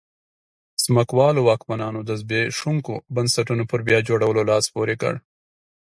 ځمکوالو واکمنانو د زبېښونکو بنسټونو پر بیا جوړولو لاس پورې کړ.